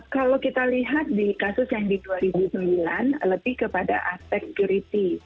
kalau kita lihat di kasus yang di dua ribu sembilan lebih kepada aspek security